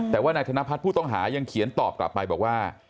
แต่ว่านายธนพัฒน์ผู้ต้องหายังเขียนตอบกลับไปบอกว่า